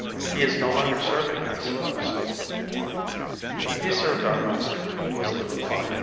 "He is no longer serving, I suppose." "He served our master," was the reply.